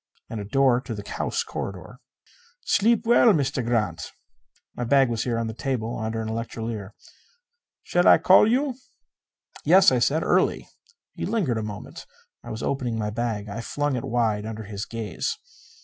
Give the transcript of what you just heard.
And a door to the house corridor. "Sleep well, Meester Grant." My bag was here on the table under an electrolier. "Shall I call you?" "Yes," I said. "Early." He lingered a moment. I was opening my bag. I flung it wide under his gaze.